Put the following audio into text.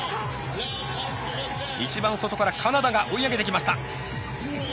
一番外からカナダが追い上げてきました。